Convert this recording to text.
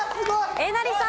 えなりさん。